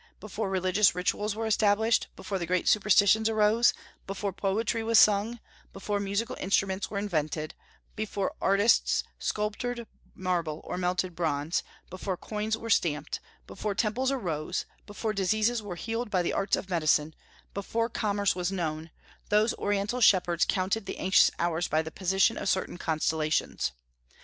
Before religious rituals were established, before great superstitions arose, before poetry was sung, before musical instruments were invented, before artists sculptured marble or melted bronze, before coins were stamped, before temples arose, before diseases were healed by the arts of medicine, before commerce was known, those Oriental shepherds counted the anxious hours by the position of certain constellations.